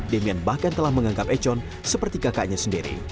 demian bahkan telah menganggap econ seperti kakaknya sendiri